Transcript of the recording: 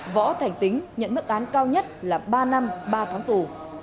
võ thành tính nhận mức án cao nhất là ba năm ba tháng tù